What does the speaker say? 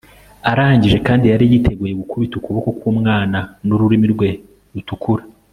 arangije, kandi yari yiteguye gukubita ukuboko k'umwana nururimi rwe rutukura